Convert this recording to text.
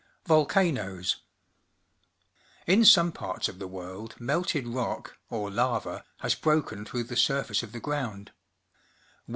Volcanoes. — In some parts of the world melted rock, or lava, has broken through the surface of the gi ound.